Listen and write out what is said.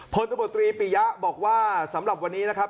ตมตรีปียะบอกว่าสำหรับวันนี้นะครับ